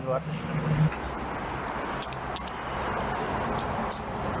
ตำรวจ